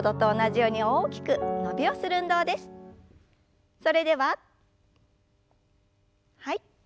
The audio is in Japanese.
それでははい。